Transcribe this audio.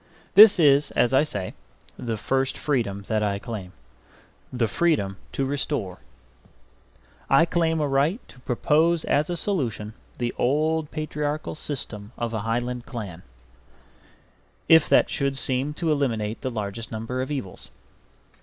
This is, as I say, the first freedom that I claim: the freedom to restore. I claim a right to propose as a solution the old patriarchal system of a Highland clan, if that should seem to eliminate the largest number of evils.